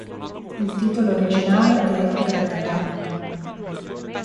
Il titolo originale è "Gradiva.